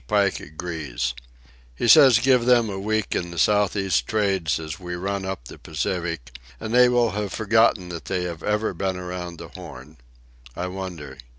Pike agrees. He says give them a week in the south east trades as we run up the Pacific and they will have forgotten that they have ever been around the Horn. I wonder.